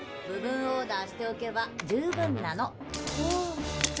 部分オーダーしておけば十分なの。